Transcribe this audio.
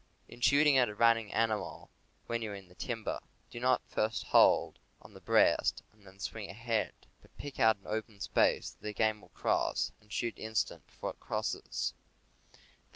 In shooting at a running animal, when you are in the timber, do not hold first on the beast and then swing ahead; but pick out an open space that the game will cross, and shoot an instant before it crosses.